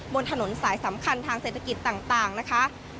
บนถนนสายสำคัญทางเศรษฐกิจต่างนะคะ